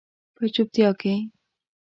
په چوپتیا کې